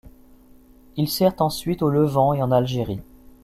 Il sert ensuite au Levant et en Algérie.